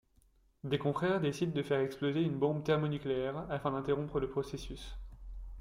Des confrères décident de faire exploser une bombe thermonucléaire afin d'interrompre le processus...